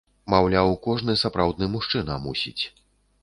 Маўляў, кожны сапраўдны мужчына мусіць.